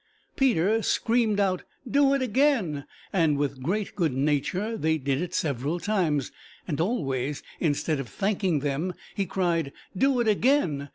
Peter screamed out, "Do it again!" and with great good nature they did it several times, and always instead of thanking them he cried, "Do it again!"